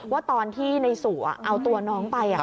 ว่าตอนที่ในสัวเอาตัวน้องไป